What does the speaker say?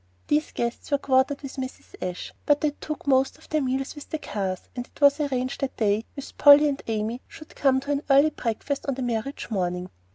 These guests were quartered with Mrs. Ashe, but they took most of their meals with the Carrs; and it was arranged that they, with Polly and Amy, should come to an early breakfast on the marriage morning.